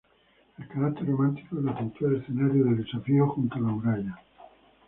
El carácter romántico lo acentúa el escenario del desafío junto a la muralla.